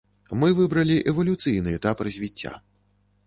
Мы выбралі эвалюцыйны этап развіцця.